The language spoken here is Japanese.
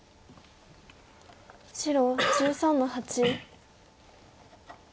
白１３の八。